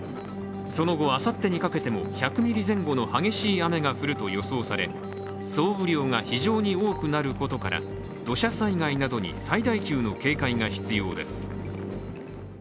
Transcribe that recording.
その後、あさってにかけても１００ミリ前後の激しい雨が降ると予想され総雨量が非常に多くなることから土砂災害などに最大級の警戒が必要です。